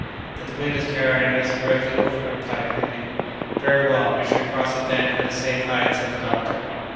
"But the wind is carrying us directly over it," replied Kennedy. "Very well, we shall cross it then at a safe height!" said the doctor.